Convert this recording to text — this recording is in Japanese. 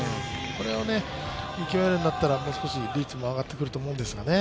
これをね、見極めれるようになったらもう少し率も上がってくると思うんですけどね。